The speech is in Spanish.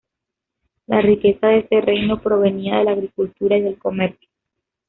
La riqueza de este reino provenía de la agricultura y del comercio.